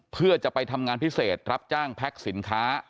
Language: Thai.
เพื่อจะไปทำงานพิเศษรับจ้างแพ็คสินค้า